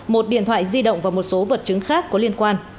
một điện thoại di động và một số vật chứng khác có liên quan